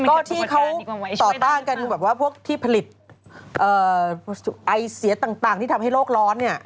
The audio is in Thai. ก็ที่เขาต่อต้านกันแบบว่าพวกที่ผลิตไอเสียต่างที่ทำให้โลกร้อนเนี่ย